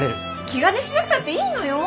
気兼ねしなくたっていいのよ。